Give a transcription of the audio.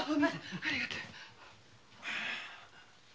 ありがとう。